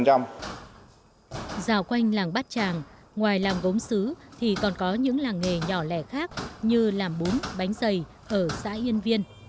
rào quanh làng bát tràng ngoài làng gống sứ thì còn có những làng nghề nhỏ lẻ khác như làm bún bánh xây ở xã yên viên